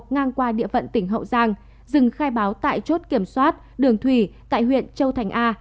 ngang qua địa phận tỉnh hậu giang dừng khai báo tại chốt kiểm soát đường thủy tại huyện châu thành a